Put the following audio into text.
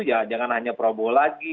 ya jangan hanya prabowo lagi